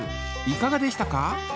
いかがでしたか？